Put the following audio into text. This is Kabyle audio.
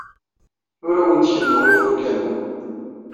Ur awen-d-kennuɣ ifurka-nwen.